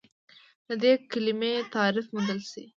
د دې کلمې تعریف موندلی شئ؟